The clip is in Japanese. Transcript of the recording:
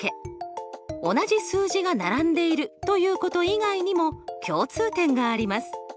同じ数字が並んでいるということ以外にも共通点があります。